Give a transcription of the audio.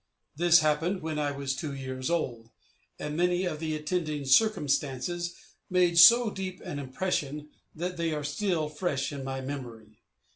This happened when I was two years old, and many of the attending circumstances made so deep an impression that they are still fresh in my memory.